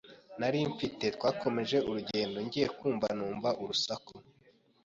nari mfite twakomeje urugendo ngiye kumva numva urusaku